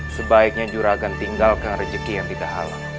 sebaiknya juragan tinggalkan rezeki yang tidak halal